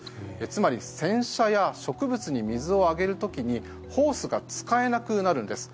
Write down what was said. つまり、洗車や植物に水をあげる時にホースが使えなくなるんです。